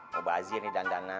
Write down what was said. mbak haji ini dandanan